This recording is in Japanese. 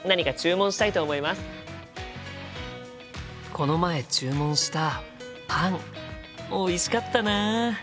この前注文したパンおいしかったな。